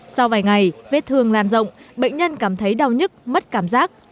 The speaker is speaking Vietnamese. sau vài ngày vết thương lan rộng bệnh nhân cảm thấy đau nhức mất cảm giác